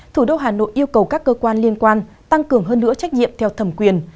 thủ đô hà nội yêu cầu các cơ quan liên quan tăng cường hơn nữa trách nhiệm theo thẩm quyền